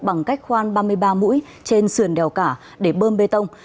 bằng cách khoan ba mươi ba mũi trên sườn đèo cả để bơm bê tông